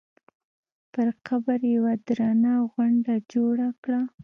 پر قبر یوه درنه غونډه جوړه کړه.